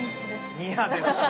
ニアですね。